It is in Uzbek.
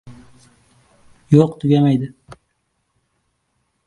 Misrda sarson bo‘layotgan talabalar yoxud qog‘ozbozlik tugamaydimi?!